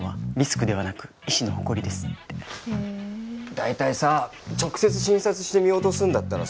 大体さ直接診察して見落とすんだったらさ